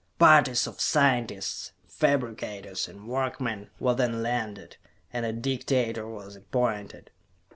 Parties of scientists, fabricators, and workmen were then landed, and a dictator was appointed.